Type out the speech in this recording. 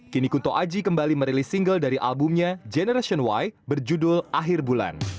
kini kunto aji kembali merilis single dari albumnya generation y berjudul akhir bulan